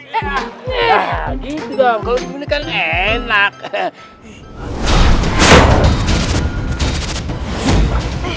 nah gitu dong kalo dibunuh kan enak